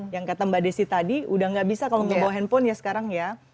yang kata mbak desi tadi udah gak bisa kalau membawa handphone ya sekarang ya